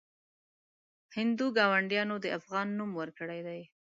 هندو ګاونډیانو د افغان نوم ورکړی دی.